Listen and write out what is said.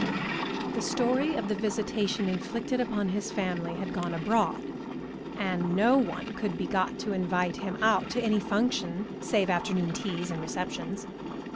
The story of the visitation inflicted upon his family had gone abroad, and no one could be got to invite him out to any function save afternoon teas and receptions.